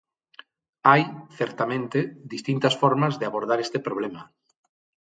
Hai, certamente, distintas formas de abordar este problema.